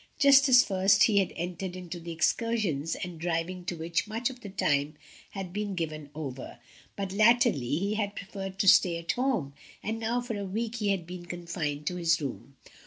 Just at first he had entered into the excursions and driving to which much of the time had been given over, but latterly he had preferred to stay at home, and now for a week he had been confined to his room.